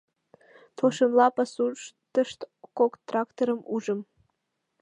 Толшемла пасуштышт кок тракторым ужым.